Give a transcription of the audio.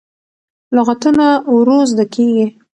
لغتونه ورو زده کېږي.